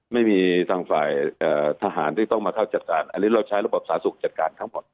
ไม่มีทางฝ่ายทหารที่ต้องมาเข้าจัดการอันนี้เราใช้ระบบสาธารณสุขจัดการทั้งหมด